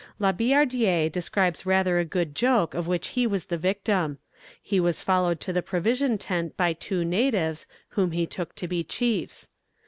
La Billardière describes rather a good joke of which he was the victim. He was followed to the provision tent by two natives, whom he took to be chiefs.